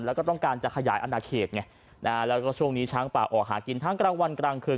แล้วก็ต้องการจะขยายอนาเขตไงนะฮะแล้วก็ช่วงนี้ช้างป่าออกหากินทั้งกลางวันกลางคืน